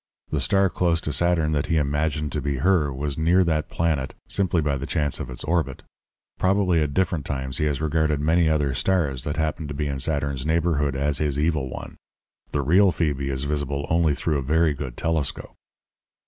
The star close to Saturn that he imagined to be her was near that planet simply by the chance of its orbit probably at different times he has regarded many other stars that happened to be in Saturn's neighbourhood as his evil one. The real Phoebe is visible only through a very good telescope.'